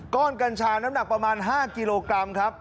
กัญชาน้ำหนักประมาณ๕กิโลกรัมครับ